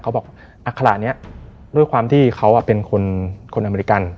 เขาบอกอัคระนี้ด้วยความที่เขาเป็นคนอเมริกัน